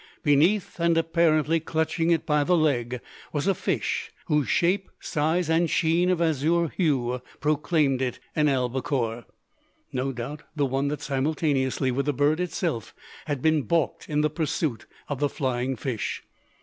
Beneath, and apparently clutching it by the leg, was a fish whose shape, size, and sheen of azure hue proclaimed it an albacore, no doubt, the one that simultaneously with the bird itself had been balked in the pursuit of the flying fish.